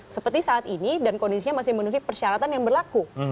seperti saat ini dan kondisinya masih menulis persyaratan yang berlaku